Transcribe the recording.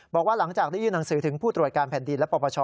บอกว่าหลังจากได้ยื่นหนังสือถึงผู้ตรวจการแผ่นดินและปปช